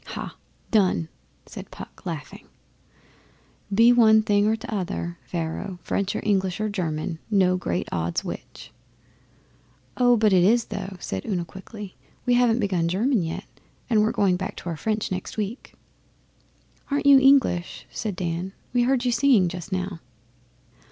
'Ha' done!' said Puck, laughing. 'Be one thing or t'other, Pharaoh French or English or German no great odds which.' 'Oh, but it is, though,' said Una quickly. 'We haven't begun German yet, and and we're going back to our French next week.' 'Aren't you English?' said Dan. 'We heard you singing just now.